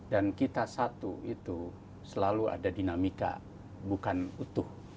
dan kita satu itu selalu ada dinamika bukan utuh